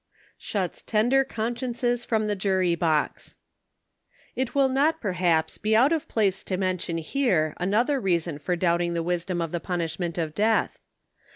SHUTS TBNDEB CONSCUBNCES FROM THE . JURY BOX. It will not, perhaps, be out of place to mention here another reason for doubting the wisdom of the punishment of death.